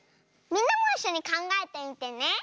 みんなもいっしょにかんがえてみてね。